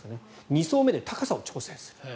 ２層目で高さを調整する。